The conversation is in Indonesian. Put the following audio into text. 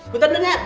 bentar bentar ya